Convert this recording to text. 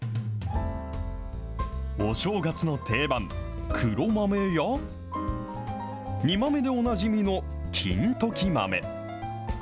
お正月の定番、黒豆や、煮豆でおなじみの金時豆。